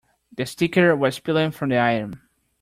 The sticker was peeling from the item.